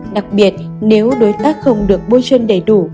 đặc biệt nếu đối tác không được bôi chân đầy đủ